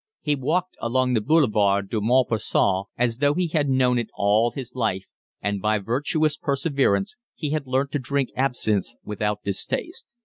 He walked along the Boulevard du Montparnasse as though he had known it all his life, and by virtuous perseverance he had learnt to drink absinthe without distaste.